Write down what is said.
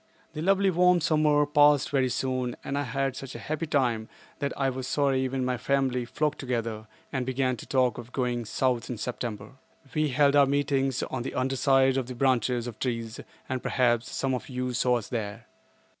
The lovely warm summer passed very soon and I had such a happy time that I was sorry when our family flocked together and began to talk of going South in September. We held our meetings on the underside of the branches of trees and, perhaps, some of you saw us there.